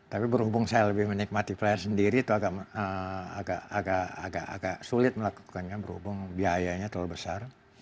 tapi berhubung saya lebih menikmati pelayanan sendiri itu agak sulit melakukannya berhubung biayanya terlalu besar